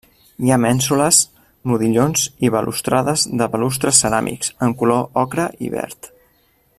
Hi ha mènsules, modillons i balustrades de balustres ceràmics, en color ocre i verd.